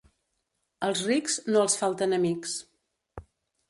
Als rics no els falten amics.